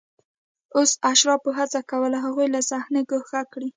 اوس اشرافو هڅه کوله هغوی له صحنې ګوښه کړي